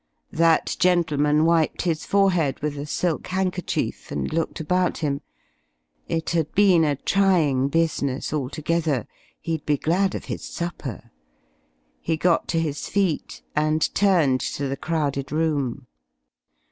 That gentleman wiped his forehead with a silk handkerchief and looked about him. It had been a trying business altogether. He'd be glad of his supper. He got to his feet and turned to the crowded room.